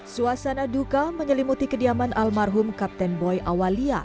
suasana duka menyelimuti kediaman almarhum kapten boy awalia